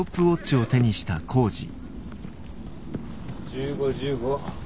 １５‐１５